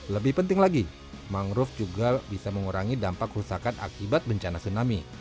lebih penting lagi mangrove juga bisa mengurangi dampak rusakan akibat bencana tsunami